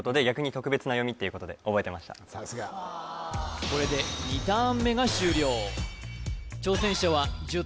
さすがこれで２ターン目が終了挑戦者は１０